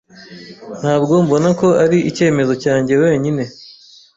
Ntabwo mbona ko ari icyemezo cyanjye wenyine.